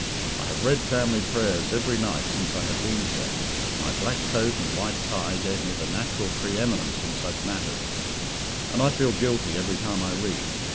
I have read family prayers every night since I have been here my black coat and white tie gave me the natural pre eminence in such matters and I feel guilty every time I read.